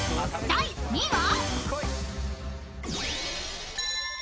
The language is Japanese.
［第３位は？］